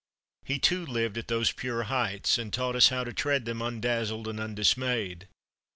He too lived at those pure heights, and taught us how to tread them undazzled and undismayed.